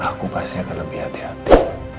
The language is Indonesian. aku pasti akan lebih hati hati